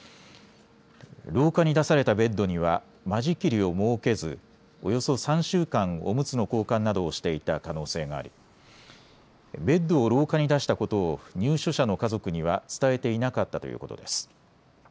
廊下に出されたベッドには間仕切りを設けずおよそ３週間、おむつの交換などをしていた可能性がありベッドを廊下に出したことを入所者の家族には伝えていなかったということです。